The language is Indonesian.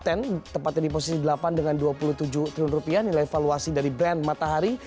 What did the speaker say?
tepatnya di posisi delapan dengan dua puluh tujuh triliun rupiah nilai valuasi dari brand matahari